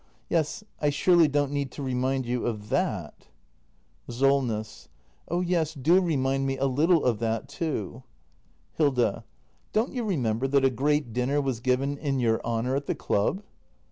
] Yes, I surely don't need to remind vou of that? 300 THE MASTER BUILDER [act i SOLNESS. Oh yes, do remind me a little of that, too. Hilda. Don't you remember that a great dinner was given in your honour at the Club